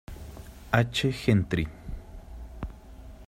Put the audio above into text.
H. Gentry.